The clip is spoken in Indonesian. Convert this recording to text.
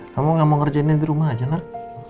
kamu gak mau ngerjain ini di rumah aja nak